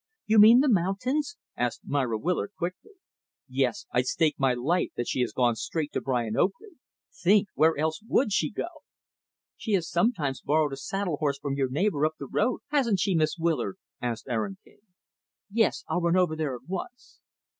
"You mean the mountains?" asked Myra Willard, quickly. "Yes. I'd stake my life that she has gone straight to Brian Oakley. Think! Where else would she go?" "She has sometimes borrowed a saddle horse from your neighbor up the road, hasn't she, Miss Willard?" asked Aaron King. "Yes. I'll run over there at once."